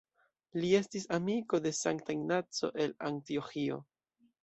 Li estis amiko de Sankta Ignaco el Antioĥio.